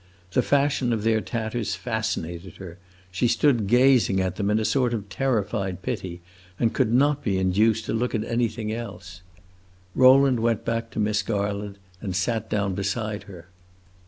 The fashion of their tatters fascinated her; she stood gazing at them in a sort of terrified pity, and could not be induced to look at anything else. Rowland went back to Miss Garland and sat down beside her.